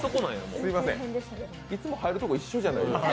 すみません、いつも入るとこ、一緒じゃないですか？